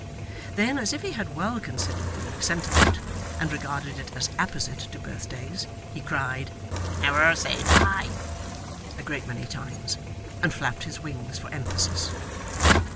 Then, as if he had well considered the sentiment, and regarded it as apposite to birthdays, he cried, 'Never say die!' a great many times, and flapped his wings for emphasis.